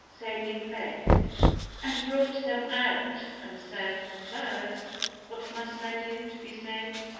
SAVING FAITH. And brought them out, and said, Sirs, what must I do to be saved?